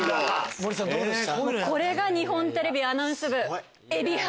森さんどうでした？